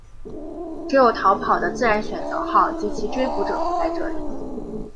只有逃跑的自然选择号及其追捕者不在这里。